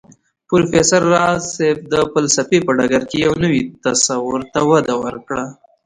پروفېسر راز صيب د فلسفې په ډګر کې يو نوي تصور ته وده ورکړه